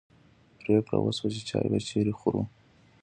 پرېکړه وشوه چې چای به چیرې خورو.